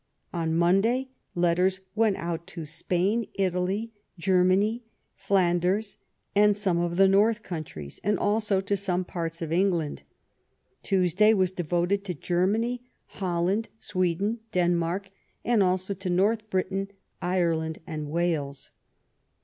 On Monday letters went out to Spain, Italy, Germany, Flanders, and some of the N'orth countries, and also to some parts of England. Tuesday was devoted to Germany, Holland, Sweden, Denmark, and also to North Britain, Ireland, and Wales.